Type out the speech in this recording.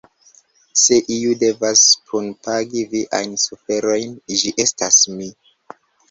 Se iu devas punpagi viajn suferojn, ĝi estas mi.